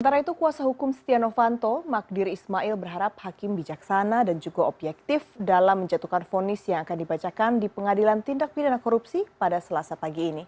sementara itu kuasa hukum setia novanto magdir ismail berharap hakim bijaksana dan juga objektif dalam menjatuhkan fonis yang akan dibacakan di pengadilan tindak pidana korupsi pada selasa pagi ini